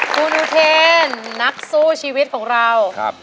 คุณอุเทนนักสู้ชีวิตของเรา